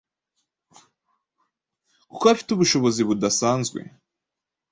kuko afite ubushobozi budasanzwe